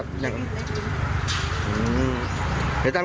วิอุภัทรที่นี่